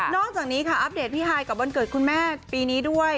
อกจากนี้ค่ะอัปเดตพี่ฮายกับวันเกิดคุณแม่ปีนี้ด้วย